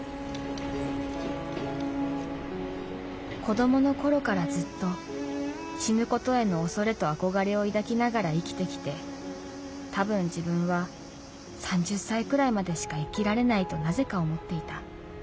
「子供の頃からずっと死ぬことへの恐れと憧れを抱きながら生きてきてたぶん自分は３０才くらいまでしか生きられないとなぜか思っていた。